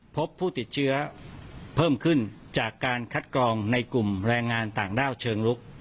พบผู้ติดเชื้อเพิ่มขึ้นจากการคัดกรองในกลุ่มแรงงานต่างด้าวเชิงลุก